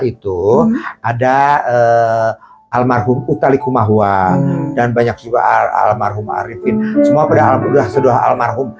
itu ada almarhum utalikumahwa dan banyak juga almarhum arifin semua berdahulu sudah sedua almarhum